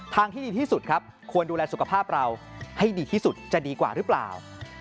ที่ดีที่สุดครับควรดูแลสุขภาพเราให้ดีที่สุดจะดีกว่าหรือเปล่า